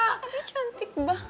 tapi cantik banget